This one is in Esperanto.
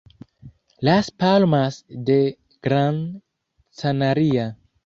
Las Palmas de Gran Canaria.